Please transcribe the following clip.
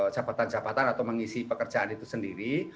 jabatan jabatan atau mengisi pekerjaan itu sendiri